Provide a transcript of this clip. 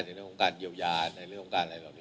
ในเรื่องของการเยียวยาในเรื่องของการอะไรเหล่านี้